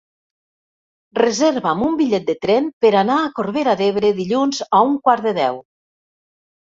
Reserva'm un bitllet de tren per anar a Corbera d'Ebre dilluns a un quart de deu.